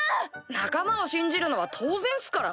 仲間を信じるのは当然っすから。